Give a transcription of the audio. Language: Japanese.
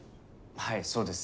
はいそうです。